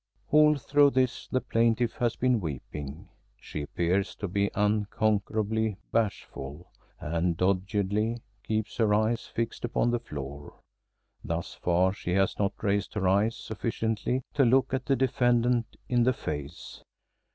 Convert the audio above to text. All through this the plaintiff has been weeping. She appears to be unconquerably bashful, and doggedly keeps her eyes fixed upon the floor. Thus far she has not raised her eyes sufficiently to look the defendant in the face.